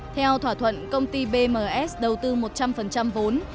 theo thỏa thuận công ty bms đầu tư một trăm linh vốn